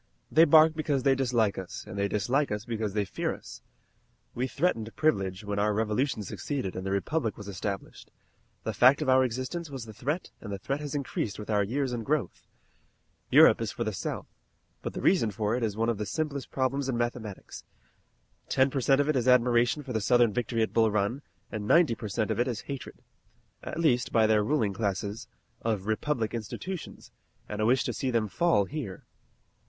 "They bark because they dislike us, and they dislike us because they fear us. We threatened Privilege when our Revolution succeeded and the Republic was established. The fact of our existence was the threat and the threat has increased with our years and growth. Europe is for the South, but the reason for it is one of the simplest problems in mathematics. Ten per cent of it is admiration for the Southern victory at Bull Run, and ninety per cent of it is hatred at least by their ruling classes of republican institutions, and a wish to see them fall here."